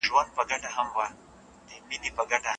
خیرخانه کې ترافیک ډېر زیات وو.